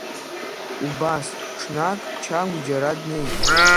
Убас, ҽнак Чагә џьара днеит.